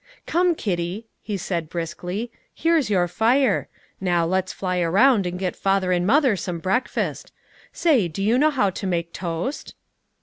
"Come, Kitty," he said briskly, "here's your fire. Now, let's fly round and get father and mother some breakfast. Say, do you know how to make toast?"